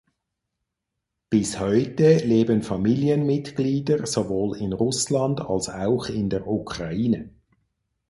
Bis heute leben Familienmitglieder sowohl in Russland als auch in der Ukraine.